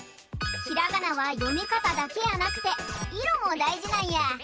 ひらがなはよみかただけやなくていろもだいじなんや！